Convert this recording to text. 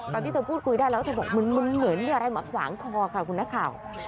ตอนที่เธอพูดคุยได้แล้วเธอบอกมันเหมือนมีอะไรมาขวางคอค่ะคุณนักข่าว